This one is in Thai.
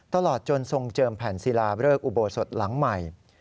ตลอดจนทรงเจิมแผ่นศิลาเริกอุโบสถหลังใหม่